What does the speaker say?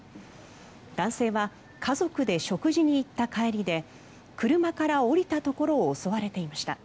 男性は家族で食事に行った帰りで車から降りたところを襲われていました。